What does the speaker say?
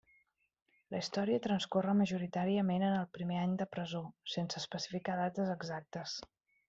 La història transcorre majoritàriament en el primer any de presó, sense especificar dates exactes.